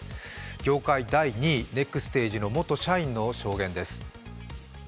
業界第２位、ネクステージの元社員の証言です。